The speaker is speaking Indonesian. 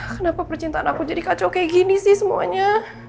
kenapa percintaan aku jadi kacau kayak gini sih semuanya